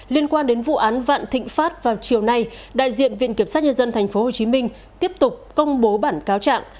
liên quan đến vụ án vạn thịnh pháp vào chiều nay đại diện viện kiểm sát nhân dân tp hcm tiếp tục công bố bản cáo trạng